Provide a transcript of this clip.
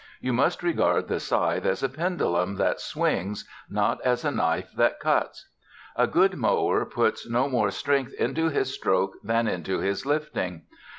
You must regard the scythe as a pendulum that swings, not as a knife that cuts. A good mower puts no more strength into his stroke than into his lifting.